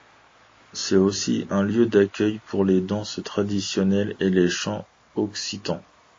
C'est aussi un lieu d'accueil pour les danses traditionnelles et les chants occitans.